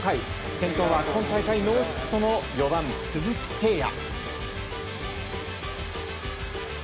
先頭は今大会ノーヒットの４番、鈴木誠也。